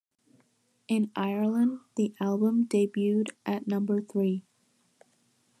In Ireland, the album debuted at number three.